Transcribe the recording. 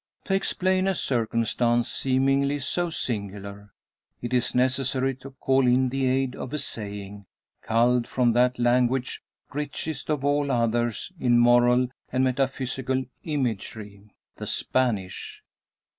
To explain a circumstance seemingly so singular, it is necessary to call in the aid of a saying, culled from that language richest of all others in moral and metaphysical imagery the Spanish.